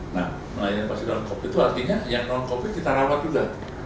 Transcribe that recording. nah melayani pasien non covid itu artinya yang non covid kita rawat juga